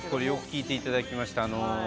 よく聞いていただきました。